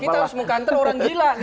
kita harus mengantar orang gila